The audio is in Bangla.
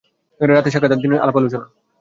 রাতে সাক্ষাৎ আর দিনে আলাপালোচন।